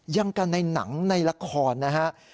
ยังกันในหนังในละครนะฮะ